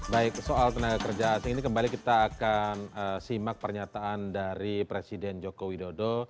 baik soal tenaga kerja asing ini kembali kita akan simak pernyataan dari presiden joko widodo